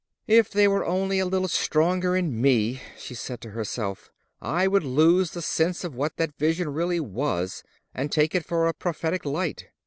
"If they were only a little stronger in me," she said to herself, "I should lose the sense of what that vision really was, and take it for a prophetic light.